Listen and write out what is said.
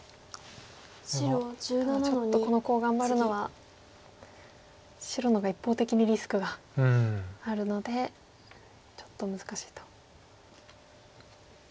ただちょっとこのコウ頑張るのは白の方が一方的にリスクがあるのでちょっと難しいと。